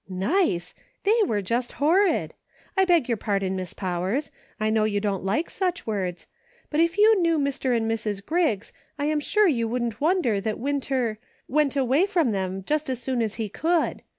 " Nice ! They were just horrid ! I beg your pardon, Mi.ss Powers ; I know you don't like such words ; but if you knew Mr. and Mrs. Griggs, I am sure you wouldn't wonder that Winter — went "WILL YOU ?" 83 away from them just as soon as he could.